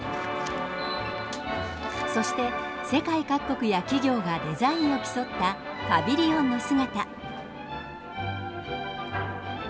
そして世界各国や企業がデザインを競ったパビリオンの姿。